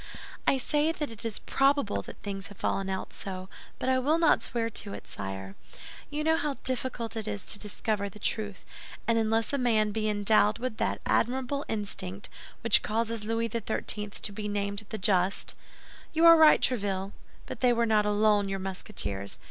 "I say that it is probable that things have fallen out so, but I will not swear to it, sire. You know how difficult it is to discover the truth; and unless a man be endowed with that admirable instinct which causes Louis XIII. to be named the Just—" "You are right, Tréville; but they were not alone, your Musketeers.